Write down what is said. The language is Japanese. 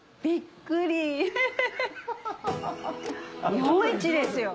日本一ですよ。